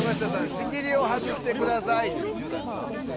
仕切りを外してください。